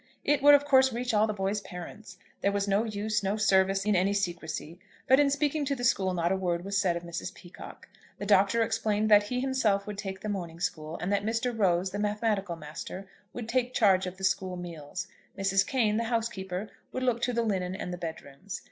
It would of course reach all the boys' parents. There was no use, no service, in any secrecy. But in speaking to the school not a word was said of Mrs. Peacocke. The Doctor explained that he himself would take the morning school, and that Mr. Rose, the mathematical master, would take charge of the school meals. Mrs. Cane, the house keeper, would look to the linen and the bed rooms.